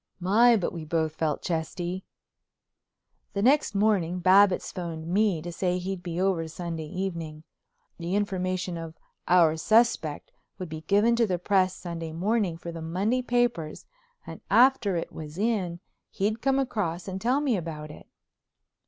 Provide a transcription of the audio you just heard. My, but we both felt chesty! The next morning Babbitts phoned me to say he'd be over Sunday evening. The information of "Our Suspect" would be given to the press Sunday morning for the Monday papers and after it was in he'd come across and tell me about it.